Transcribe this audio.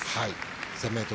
１０００ｍ